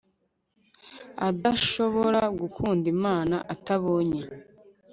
adashobora gukunda imana atabonye